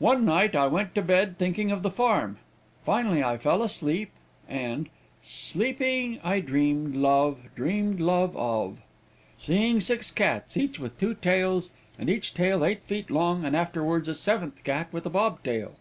One night I went to bed thinking of the farm. Finally I fell asleep, and 'Sleeping I dreamed, love, Dreamed love of' seeing six cats, each with two tails, and each tail eight feet long, and afterwards a seventh cat with a bob tail.